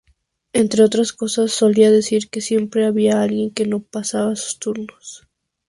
Entre otras cosas, solía decir que siempre había alguien que no pasaba sus turnos.